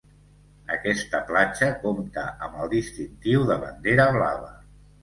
Aquesta platja compta amb el distintiu de bandera blava.